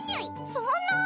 そんなぁ！